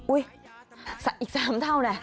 อุ๊ยอีก๓เท่าน่ะ